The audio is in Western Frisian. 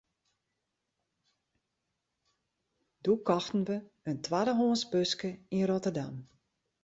Doe kochten we in twaddehânsk buske yn Rotterdam.